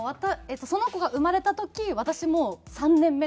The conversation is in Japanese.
その子が生まれた時私もう３年目とか。